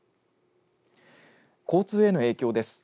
交通への影響です。